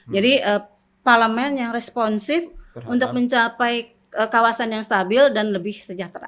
jadi parlement yang responsif untuk mencapai kawasan yang stabil dan lebih sejahtera